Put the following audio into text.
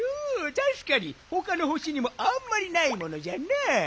たしかにほかのほしにもあんまりないものじゃな。